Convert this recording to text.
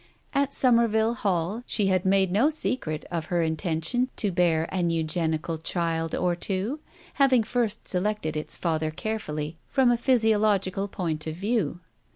At Somerville Hall, she had made no secret of her intention to bear an Eugenical child, or two, having first selected its father carefully, from a physio logical point of view.